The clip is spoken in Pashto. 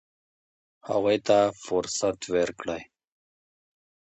هغوی ته فرصت ورکړئ.